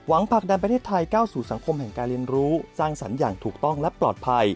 ผลักดันประเทศไทยก้าวสู่สังคมแห่งการเรียนรู้สร้างสรรค์อย่างถูกต้องและปลอดภัย